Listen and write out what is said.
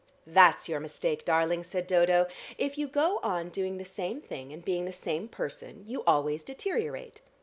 "That's your mistake, darling," said Dodo. "If you go on doing the same thing, and being the same person, you always deteriorate.